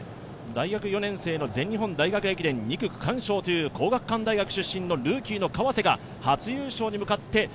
大学４年生の全日本大学駅伝２区区間賞という皇學館大学出身のルーキーの川瀬が初優勝に向かって